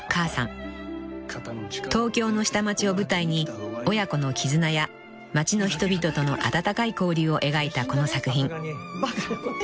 ［東京の下町を舞台に親子の絆や街の人々との温かい交流を描いたこの作品］